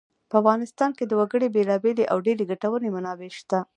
په افغانستان کې د وګړي بېلابېلې او ډېرې ګټورې منابع شته.